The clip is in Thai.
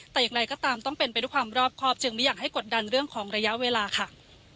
แต่อย่างไรก็ตามต้องเป็นไปด้วยความรอบครอบจึงไม่อยากให้กดดันเรื่องของระยะเวลาค่ะ